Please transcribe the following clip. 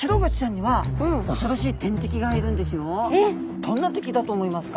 どんな敵だと思いますか？